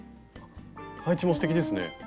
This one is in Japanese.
配置もすてきですね。